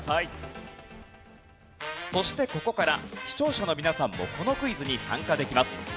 そしてここから視聴者の皆さんもこのクイズに参加できます。